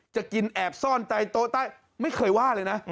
จะกินแอบซ่อนใต้โต๊ะใต้ไม่เคยว่าเลยนะ